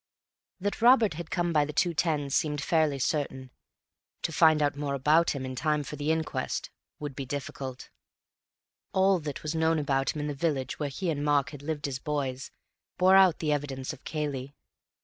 That Robert had come by the 2.10 seemed fairly certain. To find out more about him in time for the inquest would be difficult. All that was known about him in the village where he and Mark had lived as boys bore out the evidence of Cayley.